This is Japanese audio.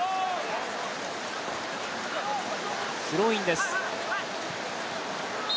スローインです。